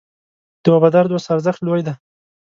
د وفادار دوست ارزښت لوی دی.